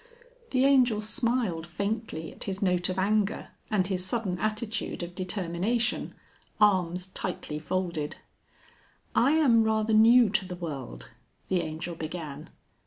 The Angel smiled faintly at his note of anger and his sudden attitude of determination arms tightly folded. "I am rather new to the world," the Angel began.